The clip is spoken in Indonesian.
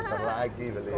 teter lagi beliau